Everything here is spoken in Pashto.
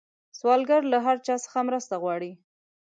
سوالګر له هر چا مرسته غواړي